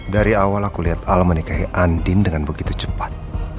dari awal aku lihat al menikahi andin dengan begitu cepat